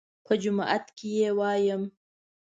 _په جومات کې يې وايم.